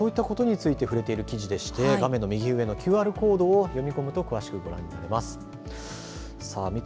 そういうことに触れている記事でして画面右上のＱＲコードを読み込むと詳しくご覧になれます。